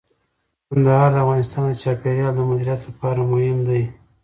کندهار د افغانستان د چاپیریال د مدیریت لپاره مهم دي.